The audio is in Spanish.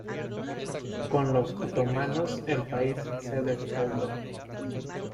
Con los otomanos el país se despobló.